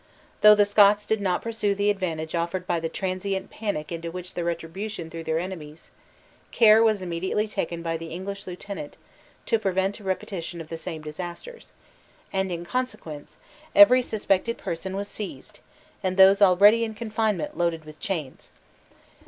Though the Scots did not pursue the advantage offered by the transient panic into which the retribution threw their enemies, care was immediately taken by the English lieutenant to prevent a repetition of the same disasters; and, in consequence, every suspected person was seized, and those already in confinement loaded with chains.